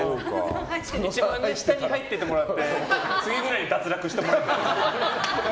一番下に入っててもらって次くらいに脱落してもらいたい。